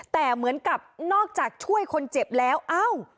แต่เหมือนกับนอกจากช่วยคนเจ็บแล้วเอ้า